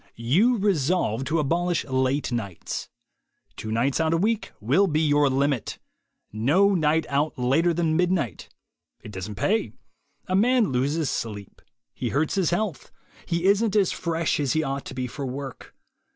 You resolve to abolish late nights. Two nights out a week will be your limit. No night out later than midnight. It doesn't pay. A man loses sleep. He hurts his health. He isn't as fresh as he ought to be for work.